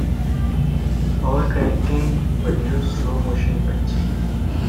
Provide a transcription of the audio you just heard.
"Overcranking" produces slow motion effects.